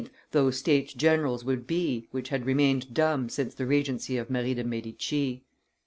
those States general would be which had remained dumb since the regency of Mary de Medici.